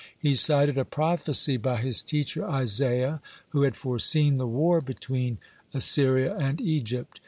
He cited a prophecy by his teacher Isaiah, who had foreseen the war between Assyria and Egypt.